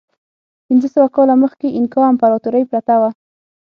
پنځه سوه کاله مخکې اینکا امپراتورۍ پرته وه.